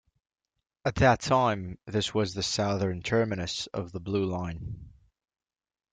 At that time, this was the southern terminus of the Blue Line.